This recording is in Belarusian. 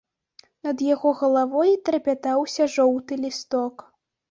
Над яго галавой трапятаўся жоўты лісток.